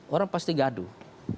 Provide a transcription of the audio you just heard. orang pasti gaduh